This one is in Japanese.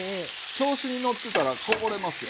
調子に乗ってたらこぼれますよ。